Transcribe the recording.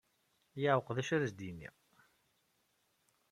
Yeɛwweq d acu ara as-d-yini.